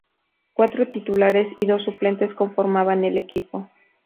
Cuatro titulares y dos suplentes conformaban el equipo.